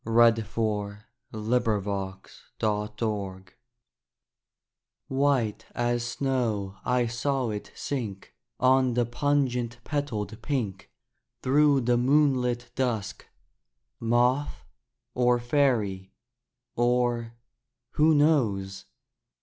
THE MOTH, THE ROSE, AND THE PINK White as snow I saw it sink On the pungent petaled pink Through the moonlit dusk; Moth? or fairy? or, who knows?